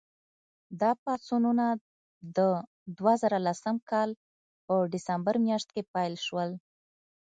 دا پاڅونونه د دوه زره لسم کال په ډسمبر میاشت کې پیل شول.